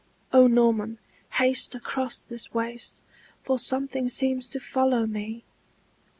"O Norman, haste across this waste For something seems to follow me!"